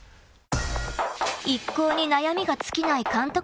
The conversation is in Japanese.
［一向に悩みが尽きない監督たち］